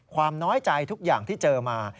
น้อยใจทุกอย่างที่เจอมา